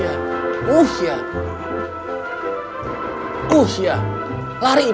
awas gak buang garam